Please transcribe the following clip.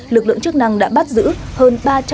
lực lượng chức năng đã bắt giữ hơn